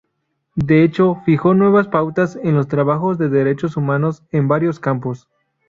De hecho, fijó nuevas pautas en los trabajos de derechos humanos en varios campos.